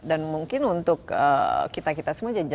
dan mungkin untuk kita kita semua